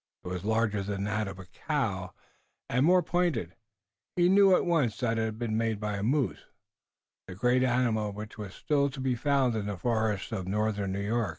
It was larger than that of a cow, and more pointed. He knew at once that it had been made by a moose, the great animal which was then still to be found in the forests of Northern New York.